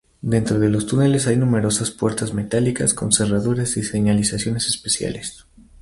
Dentro de los túneles hay numerosas puertas metálicas con cerraduras y señalizaciones especiales.